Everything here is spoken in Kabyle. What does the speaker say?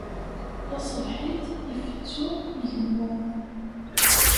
Taṣebḥit, ifettu, igemmu.